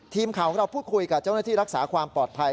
ทีมข่าวของเราพูดคุยกับเจ้าหน้าที่รักษาความปลอดภัย